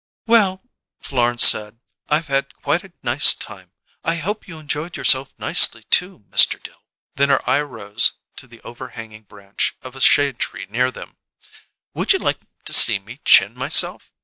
"Well," Florence said, "I've had quite a nice time. I hope you enjoyed yourself nicely, too, Mr. Dill." Then her eye rose to the overhanging branch of a shade tree near them. "Would you like to see me chin myself?"